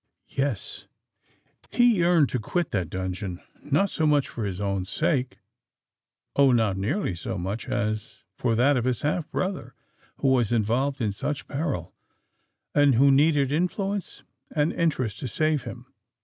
Yes: he yearned to quit that dungeon, not so much for his own sake—oh! not nearly so much, as for that of his half brother, who was involved in such peril, and who needed influence and interest to save him!